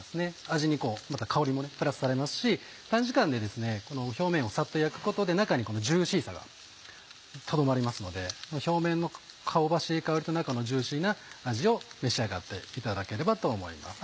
味に香りもプラスされますし短時間で表面をサッと焼くことで中にジューシーさがとどまりますので表面の香ばしい香りと中のジューシーな味を召し上がっていただければと思います。